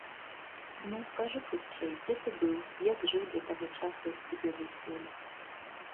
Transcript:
Ну, кажы хутчэй, дзе ты быў, як жыў да таго часу, як цябе выслалі?